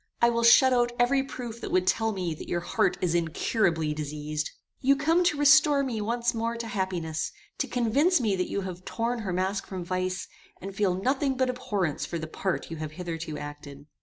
I will shut out every proof that would tell me that your heart is incurably diseased. "You come to restore me once more to happiness; to convince me that you have torn her mask from vice, and feel nothing but abhorrence for the part you have hitherto acted."